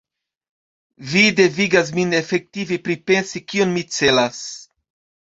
Vi devigas min efektive pripensi, kion mi celas.